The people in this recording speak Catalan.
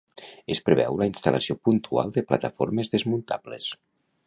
Es preveu la instal·lació puntual de plataformes desmuntables.